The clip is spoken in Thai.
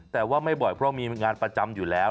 แต่ว่าไม่บ่อยเพราะมีงานประจำอยู่แล้ว